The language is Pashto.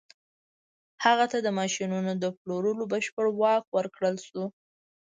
هغه ته د ماشينونو د پلورلو بشپړ واک ورکړل شو.